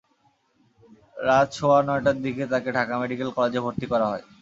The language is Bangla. রাত সোয়া নয়টার দিকে তাঁকে ঢাকা মেডিকেল কলেজে ভর্তি করা হয়।